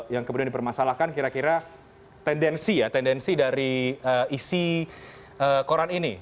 yang kemudian dipermasalahkan kira kira tendensi ya tendensi dari isi koran ini